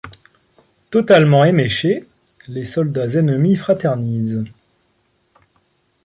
Totalement éméchés, les soldats ennemis fraternisent.